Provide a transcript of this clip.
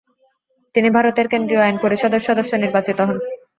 তিনি ভারতের কেন্দ্রীয় আইন পরিষদের সদস্য নির্বাচিত হন।